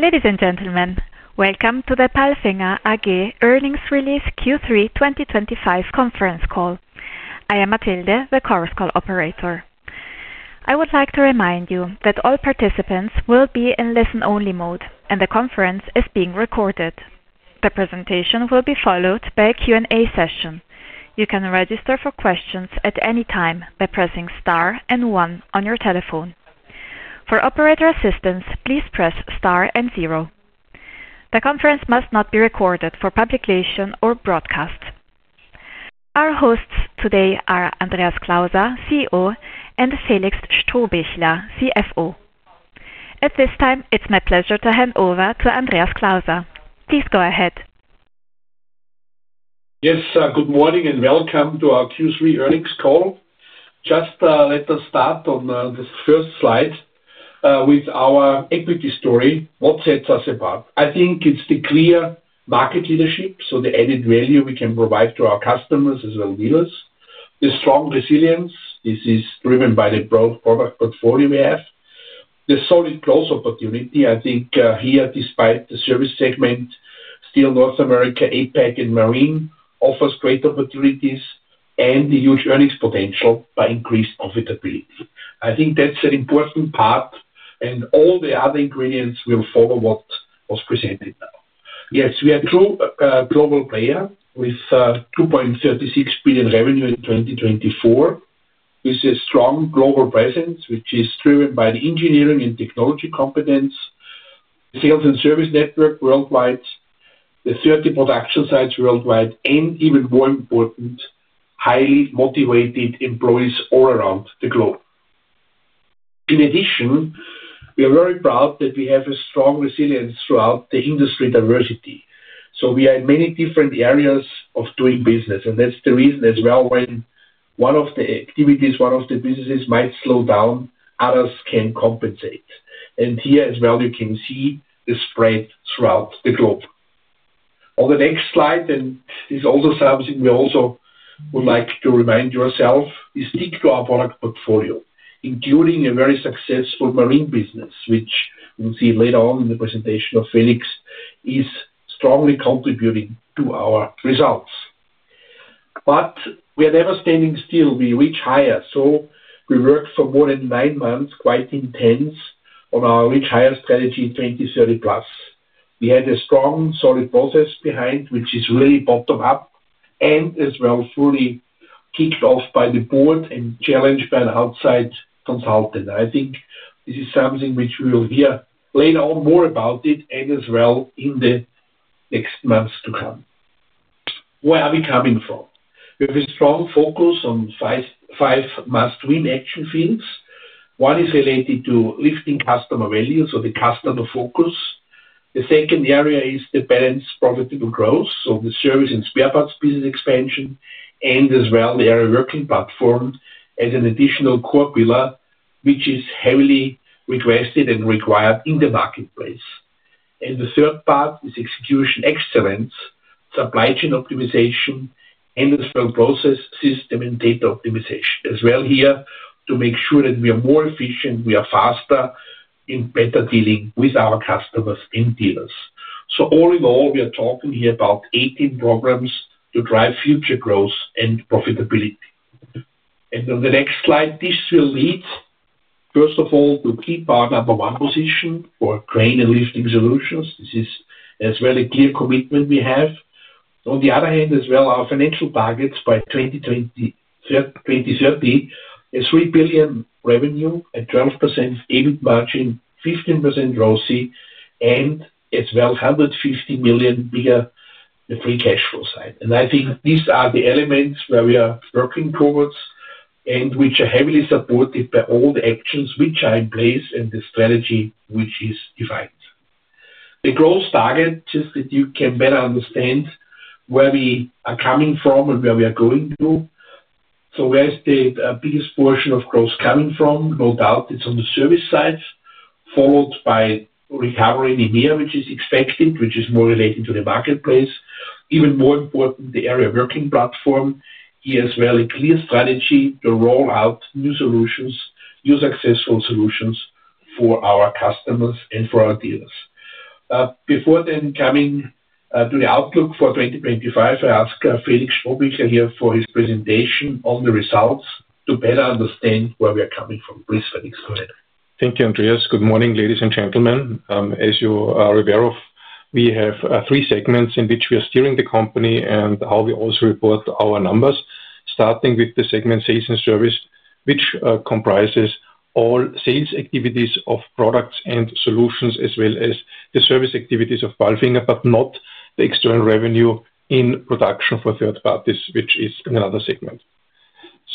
Ladies and gentlemen, welcome to the Palfinger AG earnings release Q3 2025 conference call. I am Mathilde, the course call operator. I would like to remind you that all participants will be in listen only mode and the conference is being recorded. The presentation will be followed by a Q&A session. You can register for questions at any time by pressing STAR and 1 on your telephone. For operator assistance, please press STAR and 0. The conference must not be recorded for publication or broadcast. Our hosts today are Andreas Klauser, CEO, and Felix Strohbichler, CFO. At this time, it's my pleasure to hand over to Andreas Klauser. Please go ahead. Yes, good morning and welcome to our Q3 earnings call. Let us start on this first slide with our equity story. What sets us apart? I think it's the clear market leadership, the added value we can provide to our customers as well as dealers, and the strong resilience. This is driven by the broad product portfolio. We have the solid growth opportunity. I think here, despite the service segment, still North America, APAC, and Marine offer great opportunities and the huge earnings potential by increased profitability. I think that's an important part, and all the other ingredients will follow what was presented now. Yes, we are a true global player with €2.36 billion revenue in 2024, with a strong global presence which is driven by the engineering and technology competence, sales and service network worldwide, the 30 production sites worldwide, and even more important, highly motivated employees all around the globe. In addition, we are very proud that we have a strong resilience throughout the industry diversity. We are in many different areas of doing business. That's the reason as well when one of the activities, one of the businesses, might slow down, others can compensate. Here as well, you can see it is spread throughout the globe on the next slide, and it is also something we also would like to remind yourself is stick to our product portfolio, including a very successful marine business, which we will see later on in the presentation, as Felix is strongly contributing to our results. We are never standing still. We reach higher. We worked for more than nine months quite intense on our Reach Higher 2030+ strategy. We had a strong solid process behind, which is really bottom up and as well fully kicked off by the board and challenged by an outside consultant. I think this is something which we will hear later on more about and as well in the next months to come. Where are we coming from? We have a strong focus on five must win action fields. One is related to lifting customer value or the customer focus. The second area is the balanced profitable growth, so the service and spare parts business expansion, and as well the area working platform as an additional core pillar, which is heavily requested and required in the marketplace. The third part is execution excellence, supply chain optimization, industrial process system and data optimization as well here to make sure that we are more efficient, we are faster in better dealing with our customers and dealers. All in all, we are talking here about 18 programs to drive future growth and profitability. On the next slide this will lead first of all to key part number one position for crane and lifting solutions. This is as well a clear commitment. We have on the other hand as well our financial targets by 2023: €3 billion revenue at 12% EBIT margin, 15% ROCE and as well €150 million free cash flow side. I think these are the elements where we are working towards and which are heavily supported by all the actions which are in place and the strategy which is defined, the growth target. Just that you can better understand where we are coming from and where we are going to. Where is the biggest portion of growth coming from? No doubt it's on the service side, followed by recovery in EMEA which is expected, which is more related to the marketplace. Even more important, the area working platform. Here's where a clear strategy to roll out new solutions, new successful solutions for our customers and for our dealers. Before then, coming to the outlook for 2025, I ask Felix here for his presentation on the results to better understand where we are coming from. Please Felix, go ahead. Thank you, Andreas. Good morning, ladies and gentlemen. As you are aware of, we have three segments in which we are steering the company and how we also report our numbers, starting with the segment Sales and Service, which comprises all sales activities of products and solutions, as well as the service activities of Palfinger, but not the external revenue in production for third parties, which is another segment.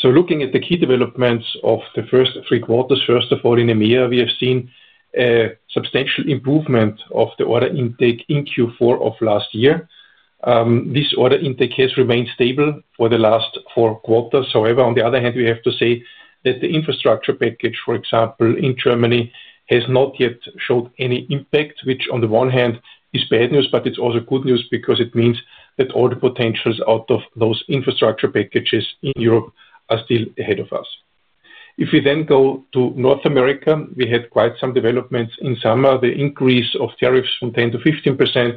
Looking at the key developments of the first three quarters, first of all, in EMEA we have seen a substantial improvement of the order intake in Q4 of last year. This order intake has remained stable for the last four quarters. However, on the other hand, we have to say that the infrastructure package, for example in Germany, has not yet showed any impact, which on the one hand is bad news, but it's also good news because it means that all the potentials out of those infrastructure packages in Europe are still ahead of us. If we then go to North America, we had quite some developments in summer. The increase of tariffs from 10%-15%.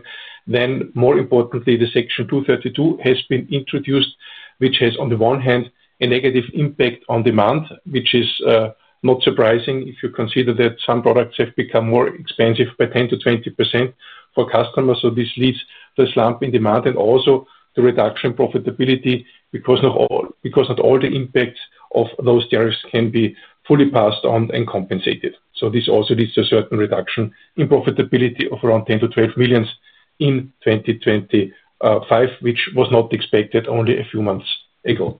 More importantly, Section 232 has been introduced, which has on the one hand a negative impact on demand, which is not surprising if you consider that some products have become more expensive by 10%-20% for customers. This leads to the slump in demand and also the reduction in profitability because not all the impacts of those tariffs can be fully passed on and compensated. This also leads to a certain reduction in profitability of around €10 million to €12 million in 2025, which was not expected only a few months ago.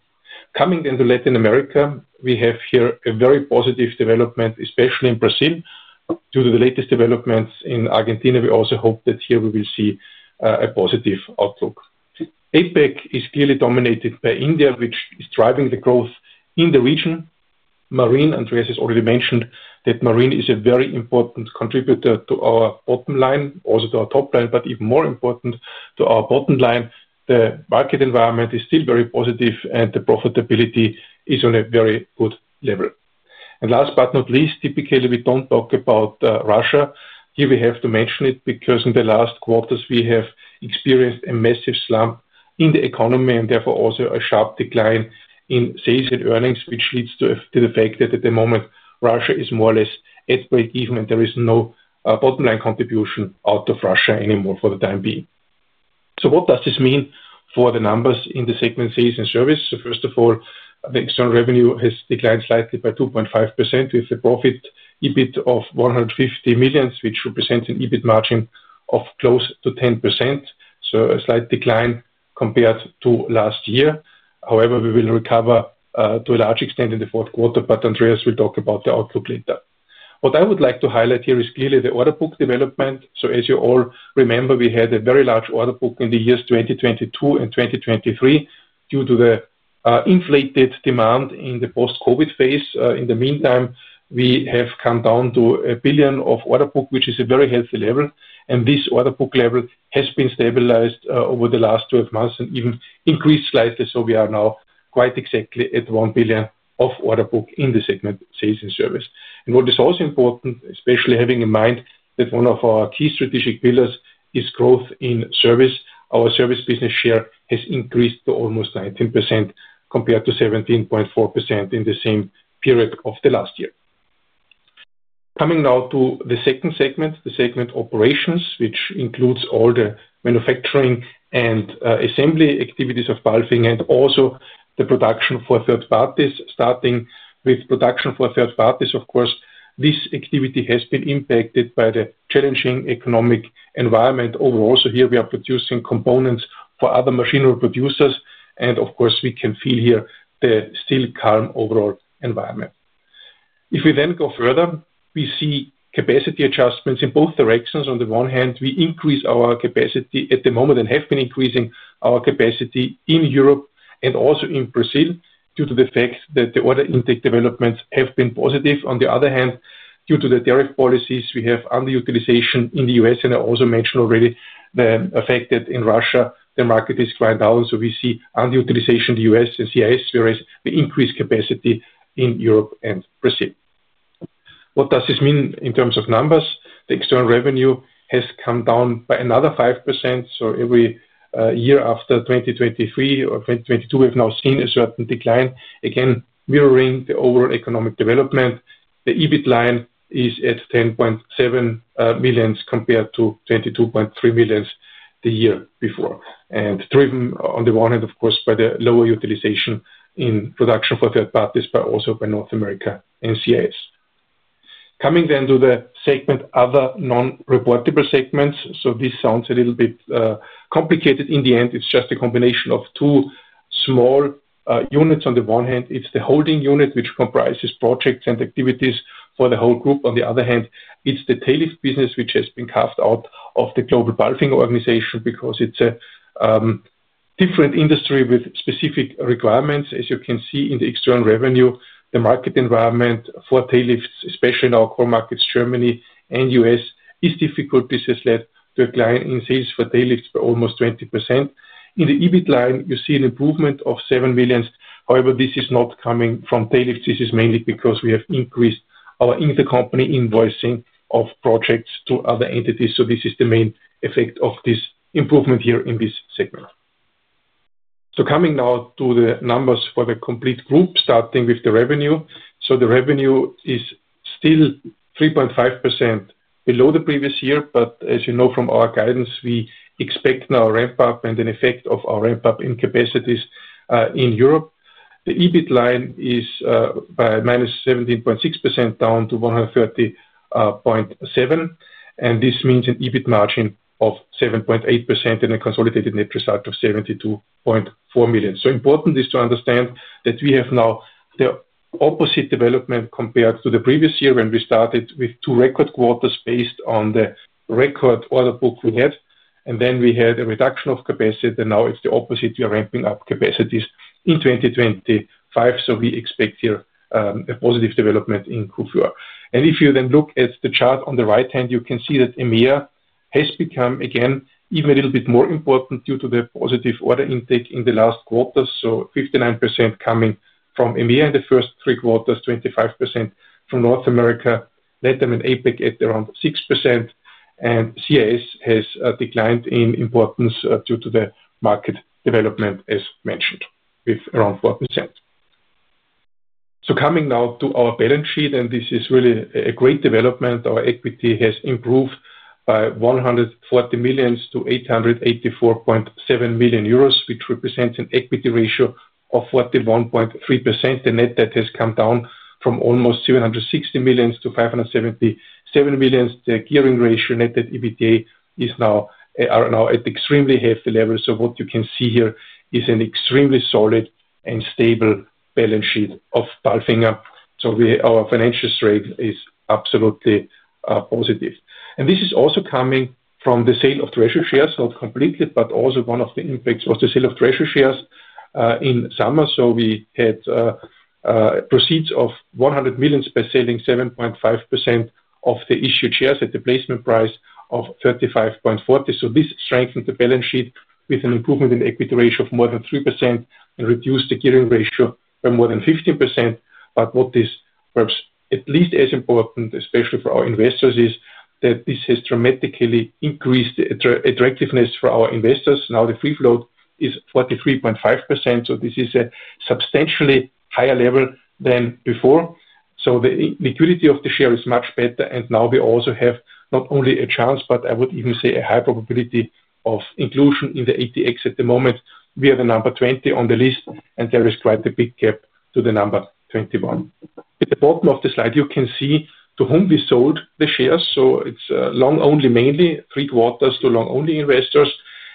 Coming into Latin America, we have here a very positive development, especially in Brazil due to the latest developments in Argentina. We also hope that here we will see a positive outlook. APAC is clearly dominated by India, which is driving the growth in the region. Marine, Andreas has already mentioned that marine is a very important contributor to our bottom line, also to our top line, but even more important to our bottom line. The market environment is still very positive and the profitability is on a very good level. Last but not least, typically we don't talk about Russia here. We have to mention it because in the last quarters we have experienced a massive decline in the economy and therefore also a sharp decline in sales and earnings, which leads to the fact that at the moment Russia is more or less at break even and there is no bottom line contribution out of Russia anymore for the time being. What does this mean for the numbers in the segment sales and service? First of all, the external revenue has declined slightly by 2.5% with a profit EBIT of €150 million, which represents an EBIT margin of close to 10%. This is a slight decline compared to last year. However, we will recover to a large extent in the fourth quarter. Andreas will talk about the outlook later. What I would like to highlight here is clearly the order book development. As you all remember, we had a very large order book in the years 2022 and 2023 due to the inflated demand in the post-Covid phase. In the meantime, we have come down to €1 billion of order book, which is a very healthy level. This order book level has been stabilized over the last 12 months and even increased slightly. We are now quite exactly at €1 billion of order book in the segment sales and service. What is also important, especially having in mind that one of our key strategic pillars is growth in service, is that our service business share has increased to almost 19% compared to 17.4% in the same period of last year. Coming now to the second segment, the segment operations, which includes all the manufacturing and assembly activities of Palfinger AG and also the production for third parties. Starting with production for third parties, this activity has been impacted by the challenging economic environment overall. Here we are producing components for other machinery producers, and we can feel the still calm overall environment. If we then go further, we see capacity adjustments in both directions. On the one hand, we increase our capacity at the moment and have been increasing our capacity in Europe and also in Brazil due to the fact that the order intake developments have been positive. On the other hand, due to the tariff policies, we have underutilization in the U.S. I also mentioned already the effect that in Russia the market is going down. We see underutilization in the U.S. and CIS, and increased capacity in Europe and Brazil. What does this mean in terms of numbers? The external revenue has come down by another 5%. Every year after 2023 or 2022, we've now seen a certain decline, again mirroring the overall economic development. The EBIT line is at €10.7 million compared to €22.3 million the year before, driven on the one hand by the lower utilization in production for third parties but also by North America and CIS. Coming then to the segment other non-reportable segments. This sounds a little bit complicated. In the end, it's just a combination of two small units. On the one hand, it's the holding unit, which comprises projects and activities for the whole group. On the other hand, it's the tail lift business, which has been carved out of the Global Bulfing organization because it's a different industry with specific requirements. As you can see in the external revenue, the market environment for tail lifts, especially in our core markets, Germany and the U.S., is difficult. Business led to a decline in sales for tail lifts by almost 20%. In the EBIT line, you see an improvement of €7 million. However, this is not coming from tail lifts. This is mainly because we have increased our intercompany invoicing of projects to other entities. This is the main effect of this improvement here in this segment. Coming now to the numbers for the complete group, starting with the revenue. The revenue is still 3.5% below the previous year. As you know from our guidance, we expect now ramp up and an effect of our ramp up in capacities. In Europe, the EBIT line is -17.6%, down to €130 million, and this means an EBIT margin of 7.8% and a consolidated net result of €72.4 million. It is important to understand that we have now the opposite development compared to the previous year when we started with two record quarters. Based on the record order book we had, and then we had a reduction of capacity. Now it's the opposite. We are ramping up capacities in 2025. We expect here a positive development in the future. If you then look at the chart on the right hand, you can see that EMEA has become again even a little bit more important due to the positive order intake in the last quarter. 59% coming from EMEA in the first three quarters, 25% from North America, LEDAM and APEC at around 6%, and CAS has declined in importance due to the market development as mentioned, with around 4%. Coming now to our balance sheet, and this is really a great development. Our equity has improved by €140 million to €884.7 million, which represents an equity ratio of 41.3%. The net debt has come down from almost €760 million to €577 million. The gearing ratio, net debt, EBITDA are now at extremely healthy levels. What you can see here is an extremely solid and stable balance sheet of Palfinger. Our financial strength is absolutely positive. This is also coming from the sale of treasury shares. Not completely, but also one of the impacts was the sale of treasury shares in summer. We had proceeds of €100 million by selling 7.5% of the issued shares at the placement price of €35.40. This strengthened the balance sheet with an improvement in equity ratio of more than 3% and reduced the gearing ratio by more than 15%. What is perhaps at least as important, especially for our investors, is that this has dramatically increased attractiveness for our investors. Now the free float is 43.5%, which is a substantially higher level than before. The liquidity of the share is much better. We also have not only a chance, but I would even say a high probability of inclusion in the ATX index. At the moment we are the number 20 on the list and there is quite a big gap to the number 21. At the bottom of the slide, you can see to whom we sold the shares. It is long only, mainly three-quarters to long only investors.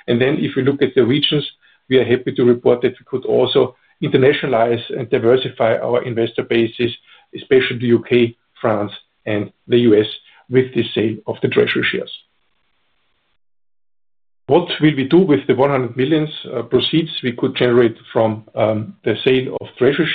If we look at the regions, we are happy to report that we could also internationalize and diversify our investor bases, especially the UK, France, and the U.S. with the sale of the treasury shares. What will we do with the €100 million proceeds we could generate from the sale of treasury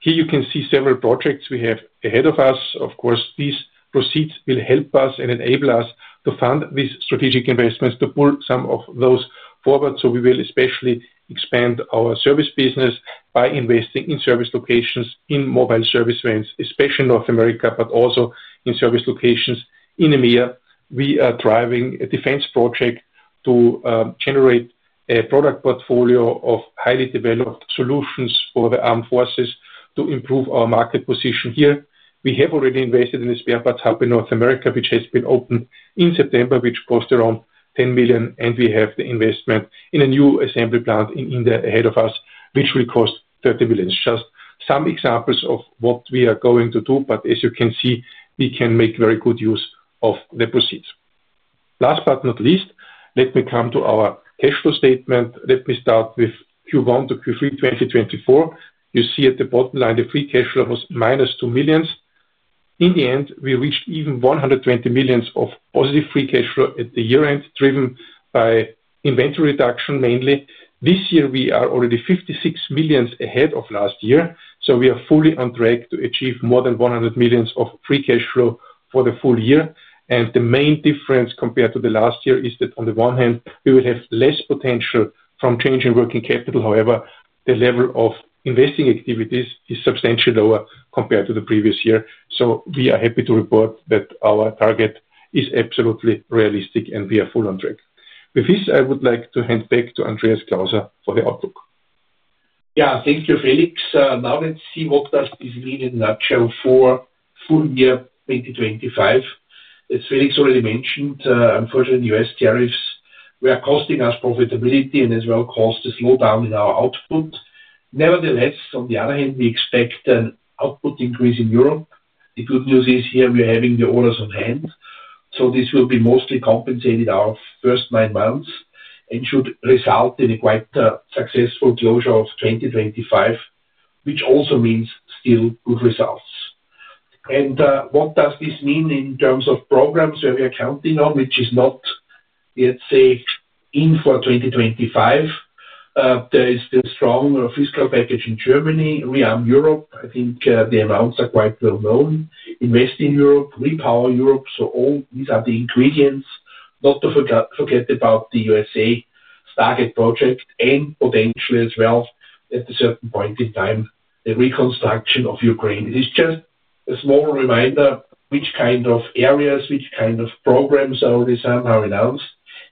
shares? Here you can see several projects we have ahead of us. Of course, these proceeds will help us and enable us to fund these strategic investments to pull some of those forward. We will especially expand our service business by investing in service locations and mobile service vans, especially in North America, but also in service locations in EMEA. We are driving a defense project to generate a product portfolio of highly developed solutions for the armed forces to improve our market position here. We have already invested in the spare parts hub in North America, which has been opened in September, which cost around €10 million. We have the investment in a new assembly plant in India ahead of us, which will cost €30 million. These are just some examples of what we are going to do, but as you can see, we can make very good use of the proceeds. Last but not least, let me come to our cash flow statement. Let me start with Q1 to Q3, 2024. You see, at the bottom line, the free cash flow was -€2 million. In the end, we reached even €120 million of positive free cash flow at the year end, driven by inventory reduction. Mainly this year we are already €56 million ahead of last year. We are fully on track to achieve more than €100 million of free cash flow for the full year. The main difference compared to last year is that, on the one hand, we will have less potential from change in working capital. However, the level of investing activities is substantially lower compared to the previous year. We are happy to report that our target is absolutely realistic and we are fully on track with this. I would like to hand back to Andreas Klauser for the outlook. Yeah, thank you, Felix. Now let's see, what does this mean in a nutshell for full year 2025? As Felix already mentioned, unfortunately U.S. tariffs were costing us profitability and as well caused a slowdown in our output. Nevertheless, on the other hand, we expect an output increase in Europe. The good news is here we are having the orders on hand. This will be mostly compensated our first nine months and should result in a quite successful closure of 2025, which also means still good results. What does this mean in terms of programs that we are counting on, which is not, let's say in for 2025, there is still strong fiscal package in Germany. Rearm Europe. I think the amounts are quite well known. Invest in Europe, Repower Europe. All these are the ingredients, not to forget about the U.S.A. Stargate project and potentially as well, at a certain point in time, the reconstruction of Ukraine is just a small reminder which kind of areas, which kind of programs are already somehow announced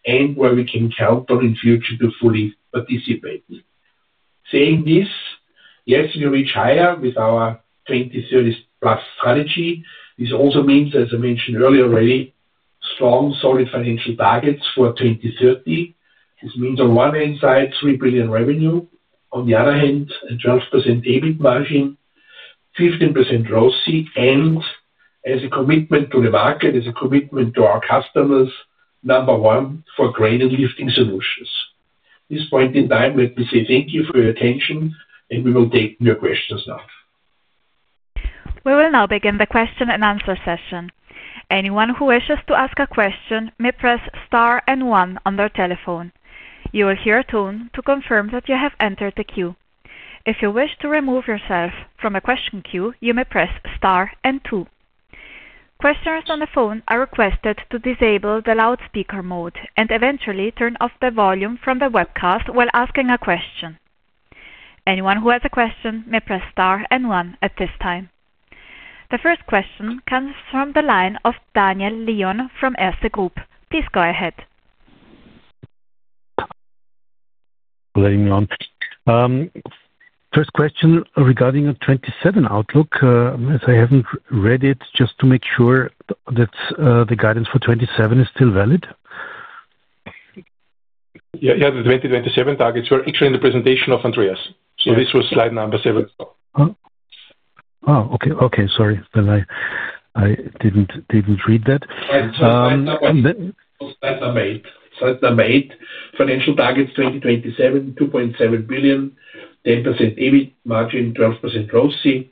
and where we can count on in future to fully participate. Saying this, yes, we reach higher with our Reach Higher 2030+ strategy. This also means, as I mentioned earlier, already strong solid financial targets for 2030. This means on one hand side €3 billion revenue. On the other hand, 12% EBIT margin, 15% ROCE. As a commitment to the market, as a commitment to our customers, number one for crane and lifting solutions at this point in time, let me say thank you for your attention and we will take your questions now. We will now begin the question and answer session. Anyone who wishes to ask a question may press star 1 on their telephone. You will hear a tone to confirm that you have entered the queue. If you wish to remove yourself from the question queue, you may press star 2. Questioners on the phone are requested to disable the loudspeaker mode and turn off the volume from the webcast while asking a question. Anyone who has a question may press star 1 at this time. The first question comes from the line of Daniel Lion from Erste Group. Please go ahead. First question regarding a 2027 outlook. As I haven't read it, just to make sure that the guidance for 2027 is still valid. Yeah, the 2027 targets were actually in the presentation of Andreas Klauser. This was slide number seven. Okay, sorry, I didn't read that. Financial targets 2027, €2.7 billion, 10% EBIT margin, 12% ROCE,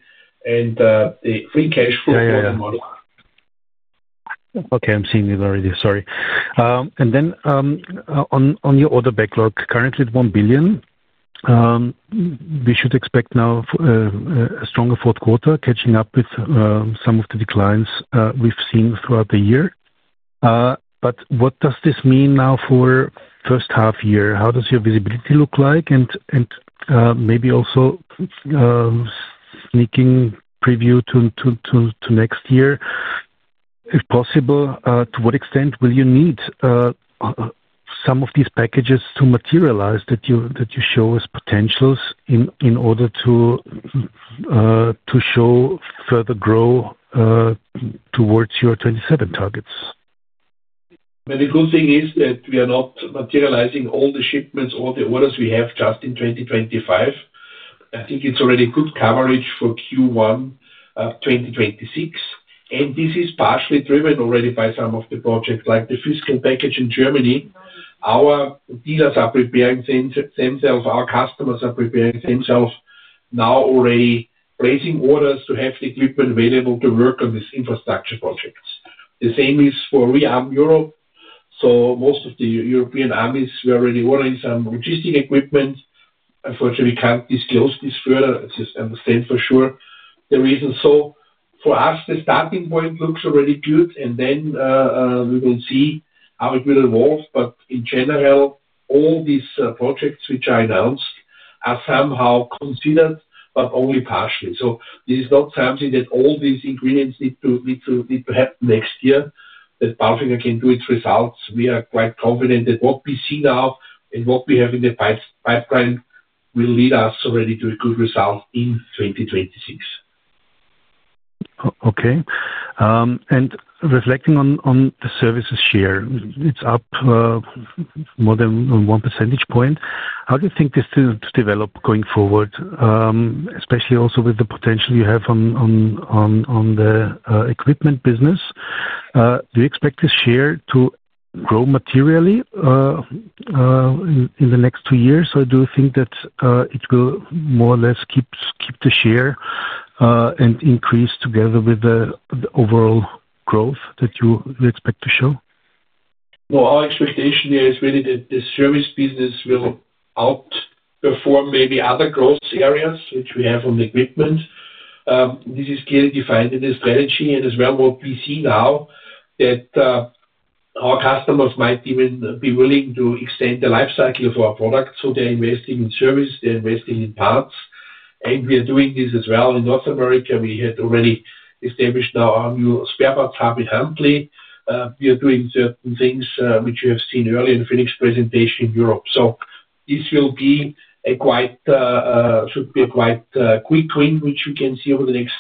and the free cash flow. Okay, I'm seeing it already, sorry. On your order backlog currently at €1 billion. We should expect now a stronger fourth quarter catching up with some of the declines we've seen throughout the year. What does this mean now for first half year? How does your visibility look like? Maybe also sneaking preview to next year if possible. To what extent will you need some of these packages to materialize that you show as potentials in order to show further growth towards your 2027 targets? The good thing is that we are not materializing all the shipments, all the orders we have just in 2025. I think it's already good coverage for Q1 2026. This is partially driven already by some of the projects like the fiscal package in Germany. Our dealers are preparing themselves, our customers are preparing themselves now already placing orders to have the equipment available to work on these infrastructure projects. The same is for Rearm Europe. Most of the European armies were already ordering some registry equipment. Unfortunately, we can't disclose this further, just understand for sure the reason. For us the starting point looks already good. We will see how it will evolve. In general, all these projects which I announced are somehow considered, but only partially so. This is not something that all these ingredients need to happen next year that Palfinger can do its results. We are quite confident that what we see now is and what we have in the pipeline will lead us already to a good result in 2026. Okay, and reflecting on the services share, it's up more than 1%. How do you think this develops going forward? Especially also with the potential you have on the equipment business? Do you expect this share to grow materially in the next two years? I do think that it will more or less keep the share and increase together with the overall growth that you expect to show. Our expectation here is really that the service business will outperform maybe other growth areas which we have on the equipment. This is clearly defined in the strategy and as well, what we see now that our customers might even be willing to extend the life cycle of our product. They're investing in service, they're investing in parts, and we are doing this as well. In North America, we had already established now our new spare parts hub in Huntley. We are doing certain things which you have seen earlier in the Phoenix presentation in Europe. This should be a quite quick win which we can see over the next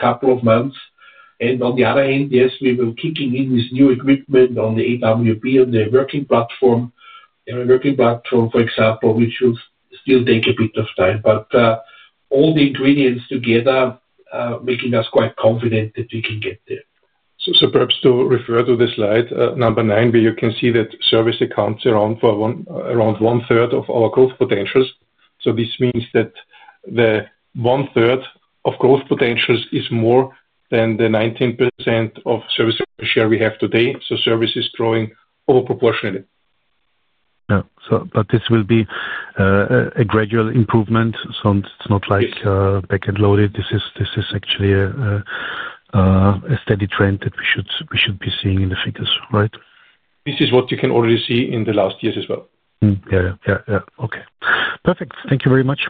couple of months. On the other hand, yes, we will be kicking in this new equipment on the AWP, on the working platform, for example, which will still take a bit of time, but all the ingredients together making us quite confident that we can get there. Perhaps to refer to this slide number nine, where you can see that service accounts for around one third of our growth potentials. This means that the 1/3 of growth potentials is more than the 19% of service per share we have today. Service is growing over proportionately. But this will be a gradual improvement. It is not like back end loaded. This is actually a steady trend that we should be seeing in the figures right? This is what you can already see in the last years as well. Yeah, okay, perfect. Thank you very much.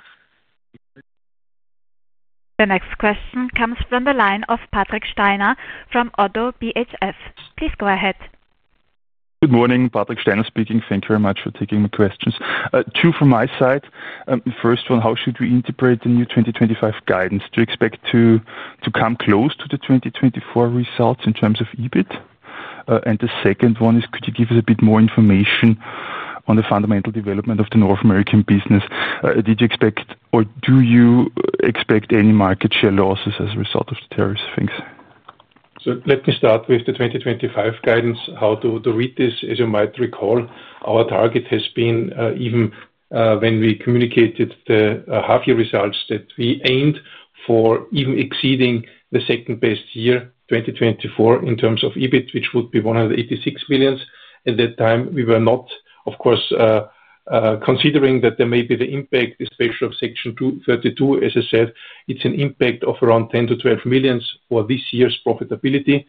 The next question comes from the line of Patrick Steiner from Oddo BHF. Please go ahead. Good morning, Patrick Steiner speaking. Thank you very much for taking my questions, two from my side. First one, how should we integrate the new 2025 guidance? Do you expect to come close to the 2024 results in terms of EBITDA? The second one is, could you give us a bit more information on the fundamental development of the North American business. Did you expect or do you expect any market share losses as a result of the tariffs? Let me start with the 2025 guidance. How to read this? As you might recall, our target has been, even when we communicated the half year results, that we aimed for even exceeding the second best year, 2024, in terms of EBIT, which would be €186 million. At that time, we were not, of course, considering that there may be the impact, especially of Section 232. As I said, it's an impact of around €10 million-€12 million for this year's profitability.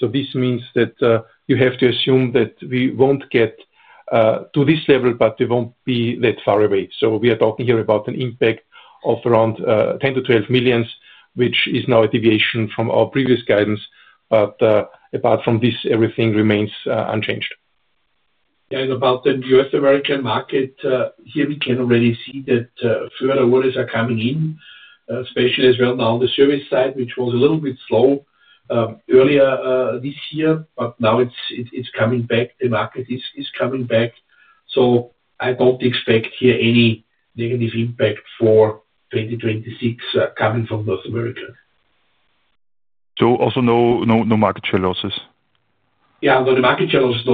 This means that you have to assume that we won't get to this level, but we won't be that far away. We are talking here about an impact of around €10 million-€12 million, which is now a deviation from our previous guidance. Apart from this, everything remains unchanged. Regarding the U.S. American market here, we can already see that further orders are coming in, especially as well now the service side, which was a little bit slow earlier this year, but now it's coming back, the market is coming back. I don't expect here any negative impact for 2026 coming from North America. So also no market share losses? No, the market share losses,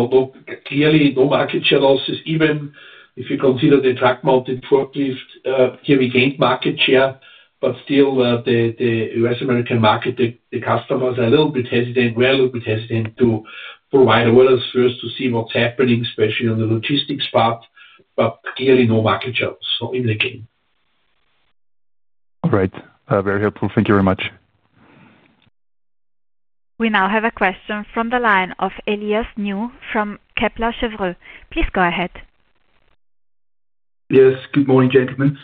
clearly no market share losses. Even if you consider the track mounted forklift here, we gained market share, but still the U.S. American market, the customers are a little bit hesitant, we're a little bit hesitant to provide awareness first to see what's happening, especially on the logistics partners. Clearly no market shares in the game. All right, very helpful. Thank you very much. We now have a question from the line of Elias New from Kepler Cheuvreux. Please go ahead. Yes, good morning gentlemen.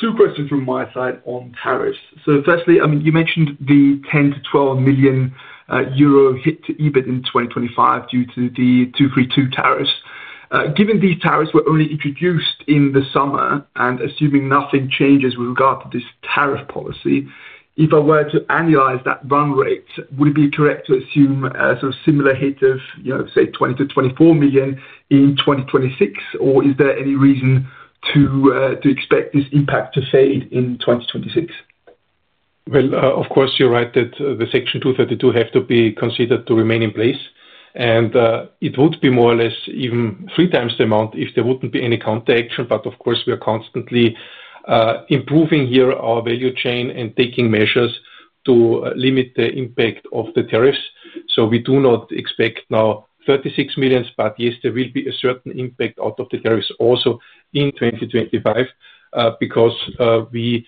Two questions from my side on tariffs. Firstly, you mentioned the €10 million-€12 million hit to EBIT in 2025 due to the Section 232 tariffs. Given these tariffs were only introduced in the summer, and assuming nothing changes with regard to this tariff policy, if I were to annualize that run rate, would it be correct to assume sort of similar hit of say €20 million-€24 million in 2026, or is there any reason to expect this impact to fade in 2026? Of course you're right that the Section 232 have to be considered to remain in place, and it would be more or less even three times the amount if there wouldn't be any counteraction. Of course we are constantly improving here our value chain and taking measures to limit the impact of the tariffs. We do not expect now €36 million. Yes, there will be a certain impact out of the tariffs also in 2025, because we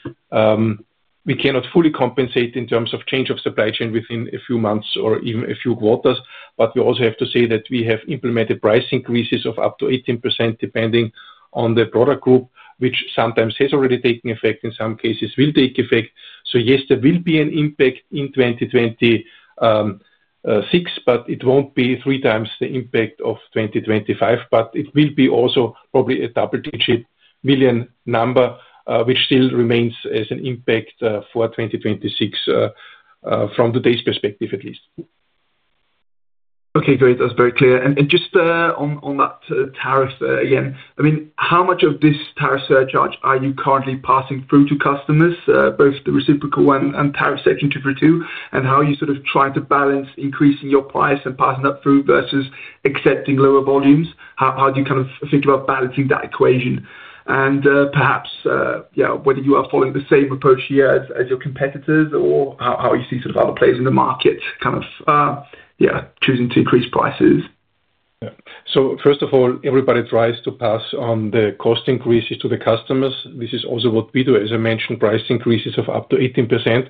cannot fully compensate in terms of change of supply chain within a few months or even a few quarters. We also have to say that we have implemented price increases of up to 18% depending on the product group, which sometimes has already taken effect, in some cases will take effect. Yes, there will be an impact in 2026, but it won't be three times the impact of 2025. It will be also probably a double-digit million number which still remains as an impact for 2026 from today's perspective at least. Okay, great. That's very clear. Just on that tariff again, how much of this tariff surcharge are you currently passing through to customers? Both the reciprocal and tariff Section 232. How are you trying to balance increasing your price and passing that through versus accepting lower volumes? How do you think about balancing that equation and perhaps whether you are following the same approach here as your competitors or how you see other players in the market choosing to increase prices? First of all, everybody tries to pass on the cost increases to the customers. This is also what we do. As I mentioned, price increases of up to 18%.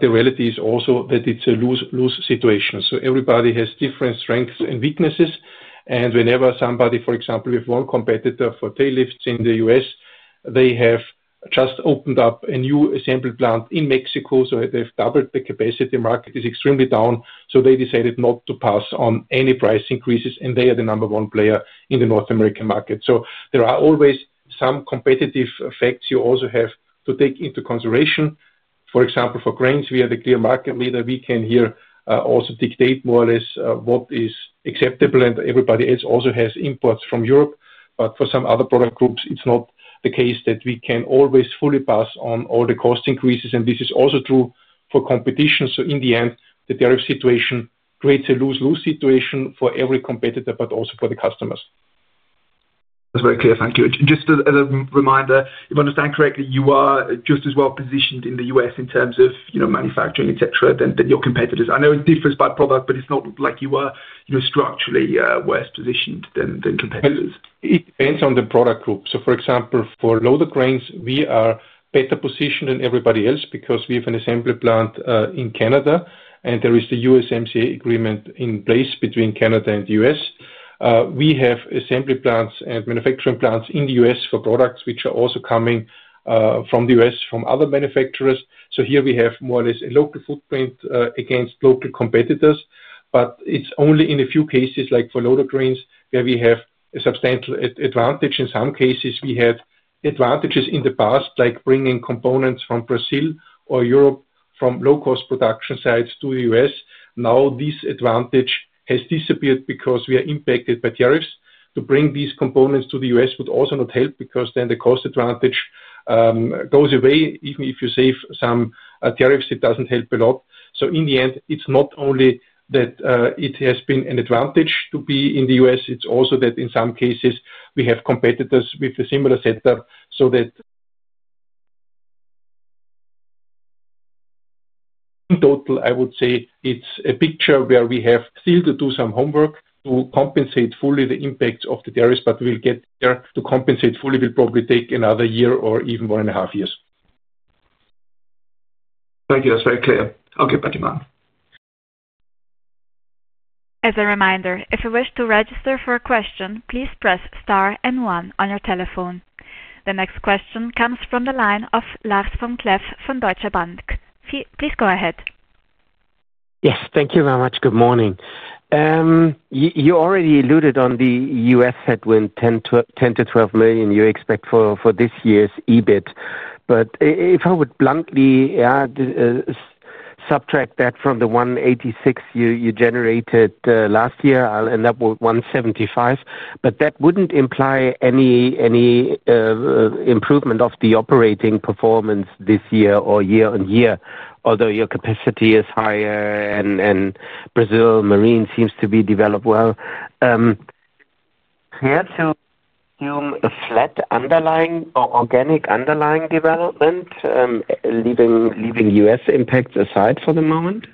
The reality is also that it's a lose situation. Everybody has different strengths and weaknesses. Whenever somebody, for example, with one competitor for tail lifts in the U.S., they have just opened up a new assembly plant in Mexico. They've doubled the capacity. The market is extremely down. They decided not to pass on any price increases, and they are the number one player in the North American market. There are always some competitive effects. You also have to take into consideration, for example, for cranes, we are the clear market leader. We can here also dictate more or less what is acceptable. Everybody else also has imports from Europe. For some other product groups, it's not the case that we can always fully pass on all the cost increases. This is also true for competition. In the end, the tariff situation creates a lose-lose situation for every competitor, but also for the customers. That's very clear. Thank you. Just as a reminder, if I understand correctly, you are just as well positioned in the U.S. in terms of manufacturing, etc. than your competitors. I know it differs by product, but it's not like you are structurally worse positioned than competitors. It depends on the product group. For example, for loader cranes, we are better positioned than everybody else because we have an assembly plant in Canada and there is the USMCA agreement in place between Canada and the U.S. We have assembly plants and manufacturing plants in the U.S. for products which are also coming from the U.S. from other manufacturers. Here we have more or less a local footprint against local competitors. It's only in a few cases, like for loader cranes, where we have a substantial advantage. In some cases, we had advantages in the past, like bringing components from Brazil or Europe from low-cost production sites to the U.S. Now this advantage has disappeared because we are impacted by tariffs. To bring these components to the U.S. would also not help because then the cost advantage goes away. Even if you save some tariffs, it doesn't help a lot. In the end, it's not only that it has been an advantage to be in the U.S., it's also that in some cases we have competitors with a similar sector. So that in total I would say it's a picture where we have still to do some homework to compensate fully the impacts of the tariffs. We'll get there. To compensate fully will probably take another year or even one and a half years. Thank you, that's very clear. Okay, Bettyman. As a reminder, if you wish to register for a question, please press N1 on your telephone. The next question comes from the line of Lars vom Cleef from Deutsche Bank. Please go ahead. Yes, thank you very much. Good morning. You already alluded on the U.S. headwind €10 million-€12 million you expect for this year's EBIT. If I would bluntly subtract that from the €186 million you generated last year, I'll end up with €175 million. That wouldn't imply any improvement of the operating performance this year or year on year, although your capacity is higher. Brazil Marine seems to be developed well. Care to assume a flat underlying or organic underlying development, leaving U.S. impacts aside for the moment?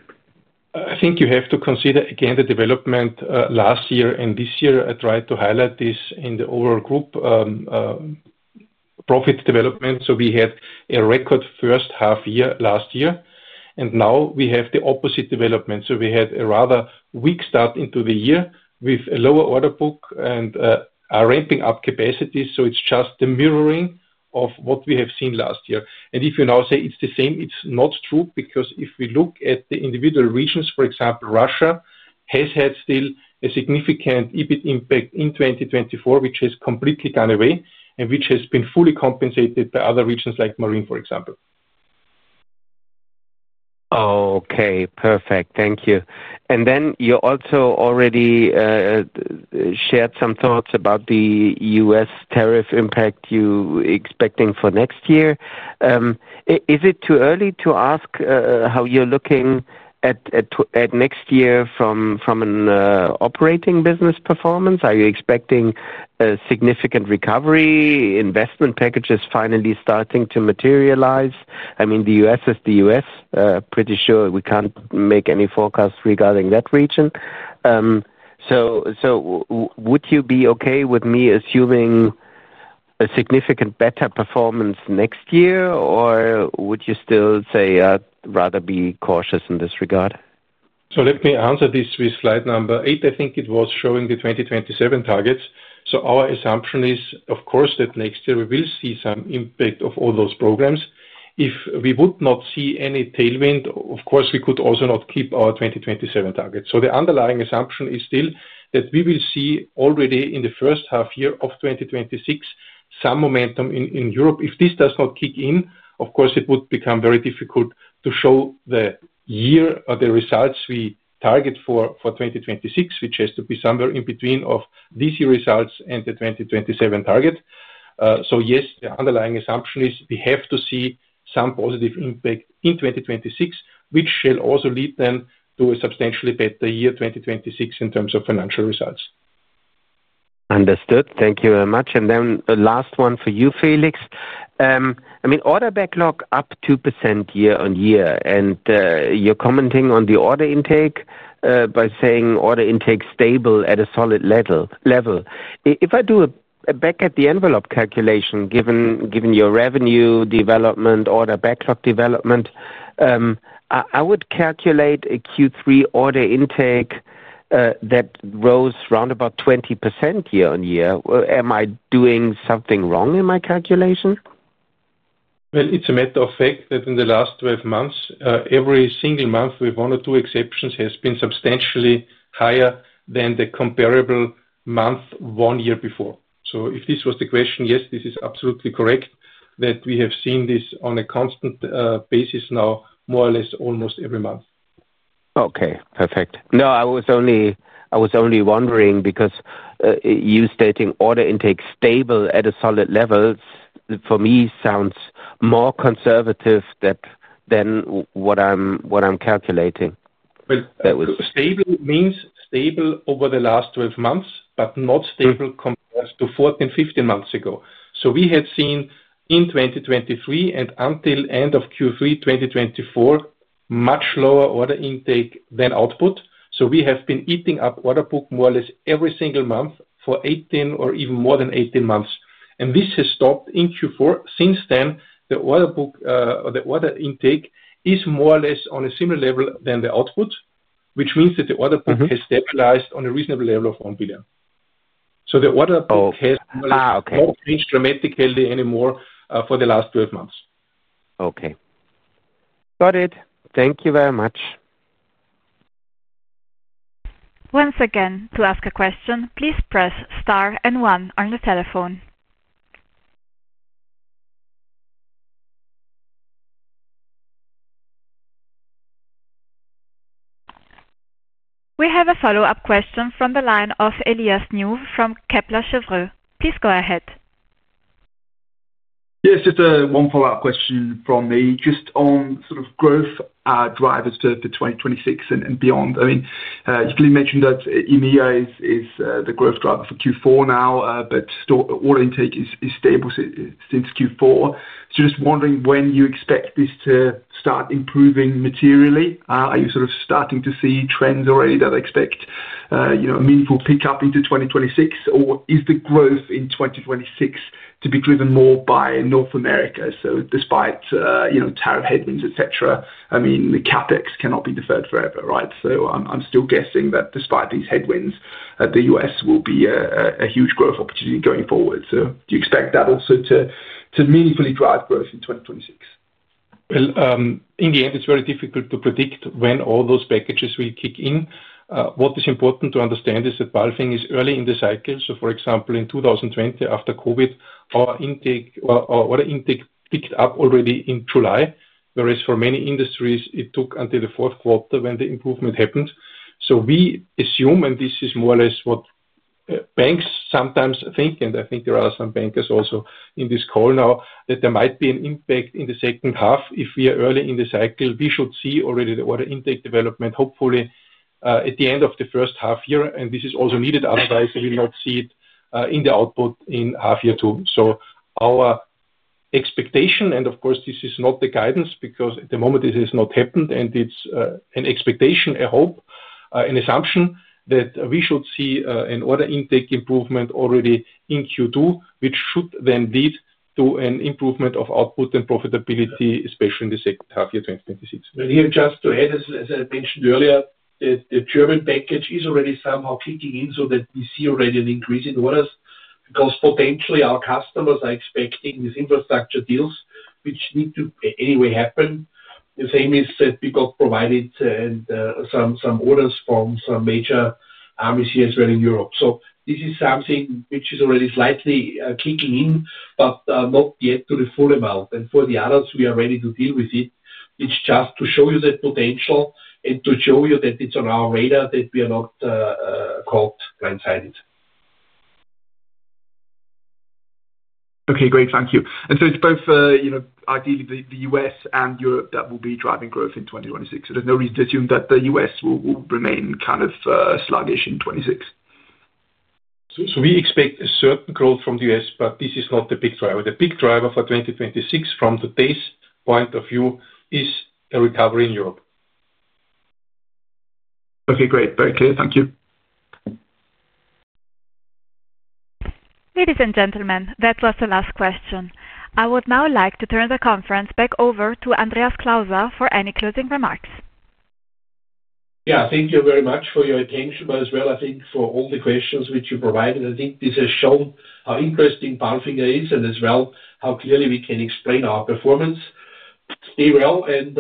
I think you have to consider again the development last year and this year. I tried to highlight this in the overall group profit development. We had a record first half year last year, and now we have the opposite development. We had a rather weak start into the year with a lower order book and are ramping up capacities. It's just the mirroring of what we have seen last year. If you now say it's the same, it's not true. Because if we look at the individual regions, for example, Russia has had still a significant EBIT impact in 2024, which has completely gone away and which has been fully compensated by other regions like Marine, for example. Okay, perfect. Thank you. You also already shared some thoughts about the U.S. tariff impact you are expecting for next year. Is it too early to ask how you're looking at next year from an operating business performance? Are you expecting a significant recovery investment package is finally starting to materialize? I mean, the U.S. is the U.S. Pretty sure we can't make any forecast regarding that region. Would you be okay with me assuming a significantly better performance next year or would you still say rather be cautious in this regard? Let me answer this with slide number eight. I think it was showing the 2027 targets. Our assumption is of course that next year we will see some impact of all those programs. If we would not see any tailwind, of course, we could also not keep our 2027 target. The underlying assumption is still that we will see already in the first half year of 2026 some momentum in Europe. If this does not kick in, it would become very difficult to show the year or the results we target for 2026, which has to be somewhere in between of DC results and the 2027 target. Yes, the underlying assumption is we have to see some positive impact in 2026, which shall also lead then to a substantially better year, 2026 in terms of financial results. Understood, thank you very much. Last one for you, Felix. Order backlog up two year. You're commenting on the order intake by saying order intake stable at a solid level. If I do a back of the envelope calculation, given your revenue development, order backlog development, I would calculate a Q3 order intake that rose round about 20% year on year. Am I doing something wrong in my calculation? It is a matter of fact that in the last 12 months, every single month with one or two exceptions has been substantially higher than the comparable month one year before. If this was the question, yes, this is absolutely correct that we have seen this on a constant basis now more or less almost every month. Okay, perfect. No, I was only wondering because you stating order intake stable at a solid level for me sounds more conservative than what I'm calculating. Stable means stable over the last 12 months, but not stable compared to 14 or 15 months ago. We had seen in 2023 and until end of Q3 2024, much lower order intake than output. We have been eating up order book more or less every single month for 18 or even more than 18 months. This has stopped in Q4. Since then, the order book or the order intake is more or less on a similar level than the output, which means that the order book has stabilized on a reasonable level of €1 billion. The order book has not changed dramatically anymore for the last 12 months. Okay, got it. Thank you very much. Once again, to ask a question, please press star and one on the telephone. We have a follow-up question from the line of Elias New from Kepler Cheuvreux. Please go ahead. Yes, just one follow-up question from me just on sort of growth drivers for 2026 and beyond. I mean you mentioned that EMEA is the growth driver for Q4 now, but order intake is stable since Q4. Just wondering when you expect this to start improving materially? Are you sort of starting to see trends already that expect a meaningful pickup into 2026, or is the growth in 2026 to be driven more by North America? Despite tariff headwinds, etc., I mean the CapEx cannot be deferred forever, right? I'm still guessing that despite these headwinds, the U.S. will be a huge growth opportunity going forward. Do you expect that also to meaningfully drive growth in 2026? In the end it's very difficult to predict when all those packages will kick in. What is important to understand is that Palfinger is early in the cycle. For example, in 2020 after Covid, our intake picked up already in July, whereas for many industries it took until the fourth quarter when the improvement happened. We assume, and this is more or less what banks sometimes think, and I think there are some bankers also in this call now, that there might be an impact in the second half. If we are early in the cycle we should see already the order intake development hopefully at the end of the first half year. This is also needed otherwise we not see it in the output in half year two. Our expectation, and of course this is not the guidance because at the moment it has not happened and it's an expectation, a hope, an assumption that we should see an order intake improvement already in Q2 which should then lead to an improvement of output and profitability, especially in the second half year 2026. Just to add, as I mentioned earlier, the German package is already somehow kicking in, so we see already an increase in orders because potentially our customers are expecting these infrastructure deals which need to happen anyway. The same is that we got provided some orders from some major armies here as well in Europe. This is something which is already slightly kicking in, but not yet to the full amount. For the adults we are ready to deal with it. It's just to show you the potential and to show you that it's on our radar, that we are not caught blindsided. Okay, great. Thank you. It's both, ideally the U.S. and Europe that will be driving growth in 2026. There's no reason to assume that the U.S. will remain kind of sluggish in 2026. We expect a certain growth from the U.S., but this is not the big driver. The big driver for 2026, from today's point of view, is a recovery in Europe. Okay, great. Very clear. Thank you. Ladies and gentlemen, that was the last question. I would now like to turn the conference back over to Andreas Klauser for any closing remarks. Yeah.Thank you very much for your attention as well. I think for all the questions which you provided, this has shown how interesting Palfinger is and how clearly we can explain our performance. Stay well and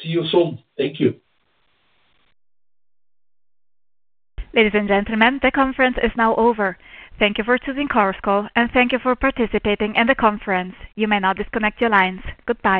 see you soon. Thank you. Ladies and gentlemen, the conference is now over. Thank you for choosing Palfinger and thank you for participating in the conference. You may now disconnect your lines. Goodbye.